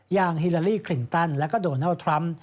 อย่างฮิลาลีคลินตันและโดนัลด์ทรัมป์